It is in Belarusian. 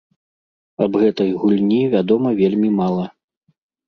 Аб гэтай гульні вядома вельмі мала.